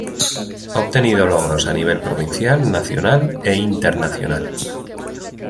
A obtenido logros a nivel provincial, nacional e internacional.